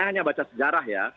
hanya baca sejarah ya